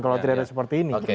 kalau tidak ada seperti ini